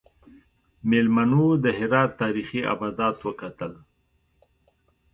میلمنو د هرات تاریخي ابدات وکتل.